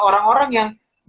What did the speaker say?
orang orang yang keringetan